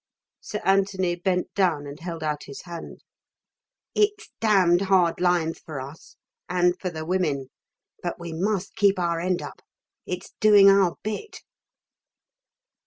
Sir Anthony bent down and held out his hand. "It's damned hard lines for us, and for the women. But we must keep our end up. It's doing our bit."